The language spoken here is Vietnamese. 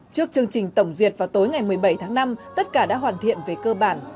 trước chương trình tổng duyệt vào tối ngày một mươi bảy tháng năm tất cả đã hoàn thiện về cơ bản